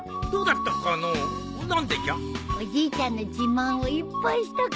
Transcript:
おじいちゃんの自慢をいっぱいしたから。